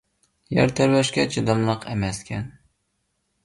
يەر تەۋرەشكە چىداملىق ئەمەسكەن.